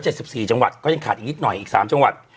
สิบสี่จังหวัดก็ยังขาดอีกนิดหน่อยอีกสามจังหวัด